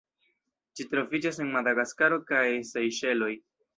Ĝi troviĝas en Madagaskaro kaj Sejŝeloj.